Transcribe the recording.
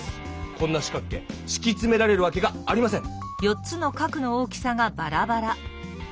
こんな四角形しきつめられるわけがありません。